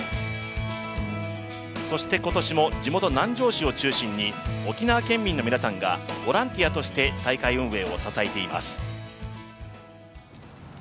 そして、今年も地元・南城市を中心に沖縄県民の皆さんがボランティアとして大会運営を支えています。